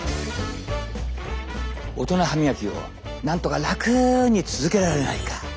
オトナ歯みがきをなんとか楽に続けられないか。